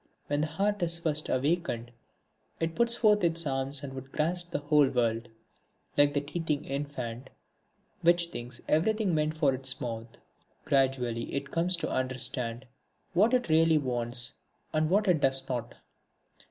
When the heart is first awakened it puts forth its arms and would grasp the whole world, like the teething infant which thinks everything meant for its mouth. Gradually it comes to understand what it really wants and what it does not.